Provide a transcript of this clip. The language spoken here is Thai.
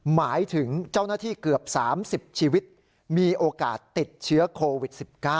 หมายถึงเจ้าหน้าที่เกือบ๓๐ชีวิตมีโอกาสติดเชื้อโควิด๑๙